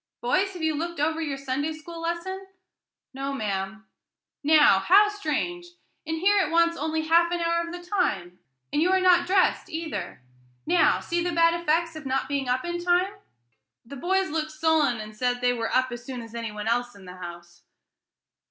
Boys, have you looked over your Sunday school lesson?" "No, ma'am." "Now, how strange! and here it wants only half an hour of the time, and you are not dressed either. Now, see the bad effects of not being up in time." The boys looked sullen, and said "they were up as soon as any one else in the house."